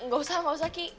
gak usah gak usah ki